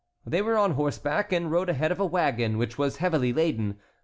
They were on horseback, and rode ahead of a wagon which was heavily laden.